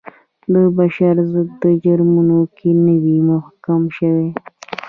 د بشر ضد جرمونو کې نه وي محکوم شوي.